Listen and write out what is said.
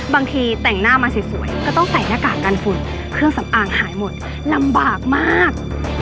บางทีแต่งหน้ามาสวยก็ต้องใส่หน้ากากกันฝุ่นเครื่องสำอางหายหมดลำบากมาก